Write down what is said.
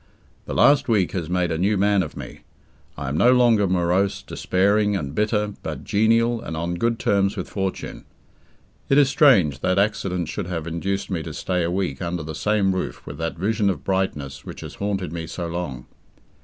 The last week has made a new man of me. I am no longer morose, despairing, and bitter, but genial, and on good terms with fortune. It is strange that accident should have induced me to stay a week under the same roof with that vision of brightness which has haunted me so long.